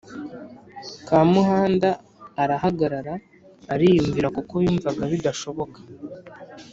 Kamuhanda arahagarara ariyumvira kuko yumvaga bidashoboka